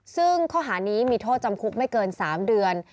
ซึ่งข้อหานี้มีโทษจำคุกไม่เกิน๓เดือน